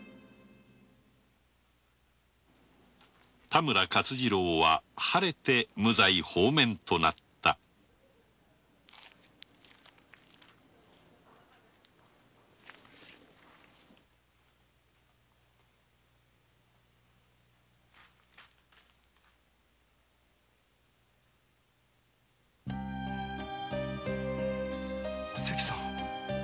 田村勝次郎は晴れて無罪放免となったあおせきさん。